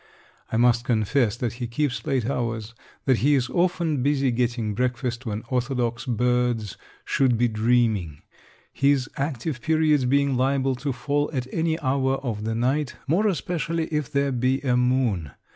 I must confess that he keeps late hours, that he is often busy getting breakfast when orthodox birds should be dreaming, his active periods being liable to fall at any hour of the night, more especially if there be a moon.